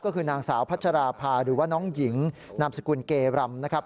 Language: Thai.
ก็คือนางสาวพัชราภาหรือว่าน้องหญิงนามสกุลเกรำนะครับ